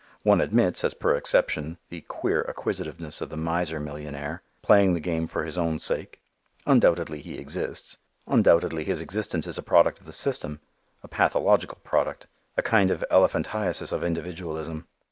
One admits, as per exception, the queer acquisitiveness of the miser millionaire, playing the game for his own sake. Undoubtedly he exists. Undoubtedly his existence is a product of the system, a pathological product, a kind of elephantiasis of individualism.